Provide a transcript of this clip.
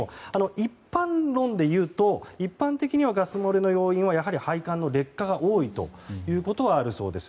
一般論でいうと一般的にはガス漏れの要因はやはり、配管の劣化が多いということはあるそうです。